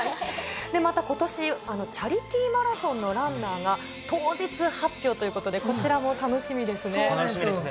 またことし、チャリティーマラソンのランナーが当日発表ということで、そうなんですよ。